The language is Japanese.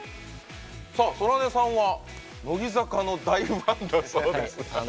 空音さんは乃木坂の大ファンだそうで。